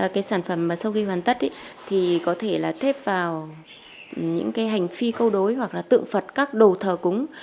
cái sản phẩm mà sau khi hoàn tất thì có thể là thép vào những cái hành phi câu đối hoặc là tượng phật các đồ thờ cúng